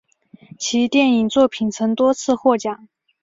其电影作品曾多次获奖。